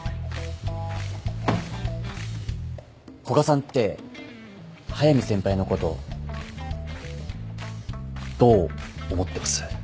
古賀さんって速見先輩のことどう思ってます？